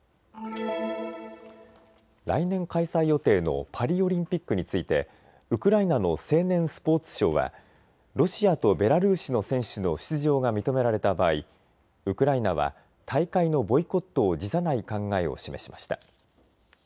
来年、開催予定のパリオリンピックについてウクライナの青年スポーツ相はロシアとベラルーシの選手の出場が認められた場合、ウクライナは大会のボイコットを辞さない考えを示しました。